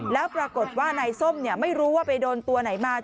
แล้วปรากฏว่านายส้มไม่รู้ว่าไปโดนตัวไหนมา